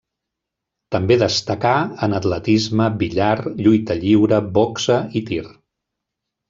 També destacà en atletisme, billar, lluita lliure, boxa i tir.